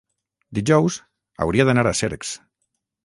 dijous hauria d'anar a Cercs.